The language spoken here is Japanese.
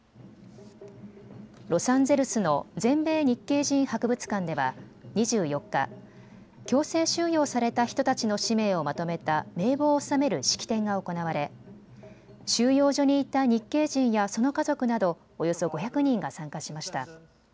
ロサンゼルスの全米日系人博物館では２４日、強制収容された人たちの氏名をまとめた名簿を収める式典が行われ収容所にいた日系人やその家族などおよそ５００人が参加しました。